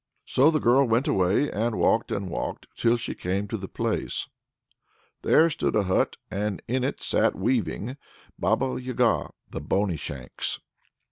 So the girl went away, and walked and walked, till she came to the place. There stood a hut, and in it sat weaving the Baba Yaga, the Bony shanks.